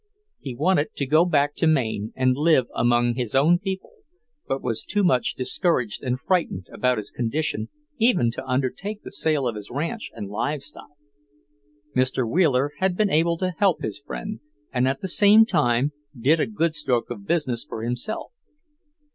He wanted to go back to Maine and live among his own people, but was too much discouraged and frightened about his condition even to undertake the sale of his ranch and live stock. Mr. Wheeler had been able to help his friend, and at the same time did a good stroke of business for himself.